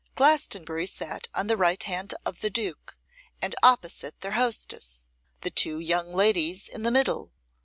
Glastonbury sat on the right hand of the duke, and opposite their hostess; the two young ladies in the middle.